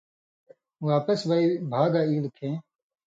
واپس وئ بھا گائ ایلوۡ کھیں